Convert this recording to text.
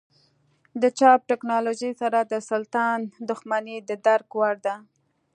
د چاپ ټکنالوژۍ سره د سلطان دښمني د درک وړ ده.